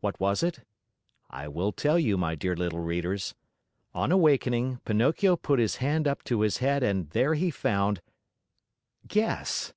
What was it? I will tell you, my dear little readers. On awakening, Pinocchio put his hand up to his head and there he found Guess!